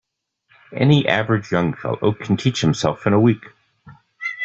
Any average young fellow can teach himself in a week.